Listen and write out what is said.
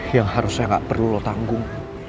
yang harusnya gak perlu lo tanggung